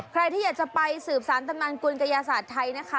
ใครที่อยากจะไปสืบสารตำนานกุลกยาศาสตร์ไทยนะคะ